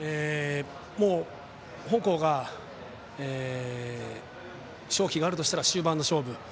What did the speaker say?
もう本校が勝機があるとしたら、終盤の勝負。